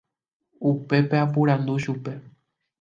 Upépe aporandu chupe.